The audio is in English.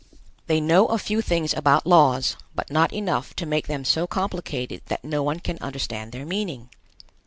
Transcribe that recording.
They know a few things about laws, but not enough to make them so complicated that no one can understand their meaning.